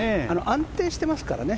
安定してますからね。